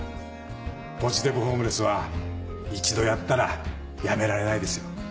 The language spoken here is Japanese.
ポジティブホームレスは一度やったらやめられないですよ。